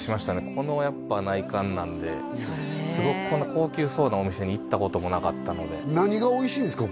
このやっぱ内観なんですごくこんな高級そうなお店に行ったこともなかったので何がおいしいですか？